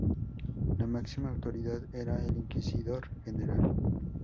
La máxima autoridad era el Inquisidor General.